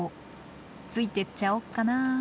ついてっちゃおっかな。